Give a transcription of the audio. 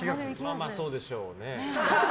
まあまあ、そうでしょうね。